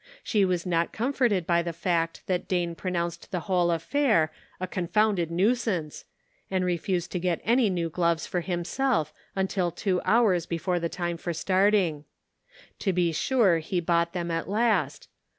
She was not comforted by the fact that Dane pronounced the whole affair a " confounded nuisance," and refused to get any new gloves for himself until two hours before the time for starting. To be sure, he bought them at last.